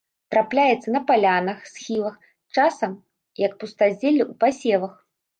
Трапляецца на палянах, схілах, часам як пустазелле ў пасевах.